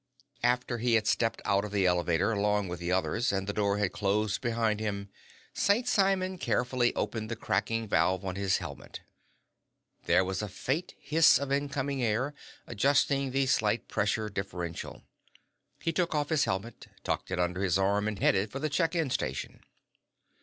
After he had stepped out of the elevator, along with the others, and the door had closed behind him, St. Simon carefully opened the cracking valve on his helmet. There was a faint hiss of incoming air, adjusting the slight pressure differential. He took off his helmet, tucked it under his arm, and headed for the check in station.